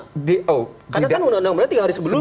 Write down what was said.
karena kan undang undang berarti tiga hari sebelumnya